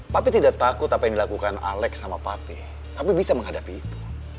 papi tidak takut apa yang dilakukan alec sama papi papi bisa menghadapi itu